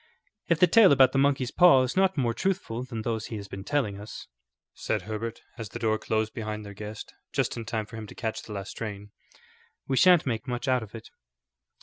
"If the tale about the monkey's paw is not more truthful than those he has been telling us," said Herbert, as the door closed behind their guest, just in time for him to catch the last train, "we sha'nt make much out of it."